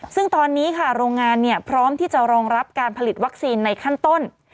ซึ่งตอนนี้ค่ะโรงงานพร้อมที่จะรองรับการผลิตวัคซีนในขั้นต้น